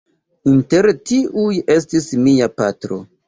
Inter tiuj estis mia patro.